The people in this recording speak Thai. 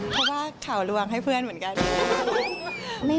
เพราะว่าข่าวลวงให้เพื่อนเหมือนกัน